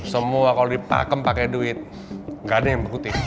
semua kalau dipakem pakai duit gak ada yang berkutih